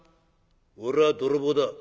「俺は泥棒だ。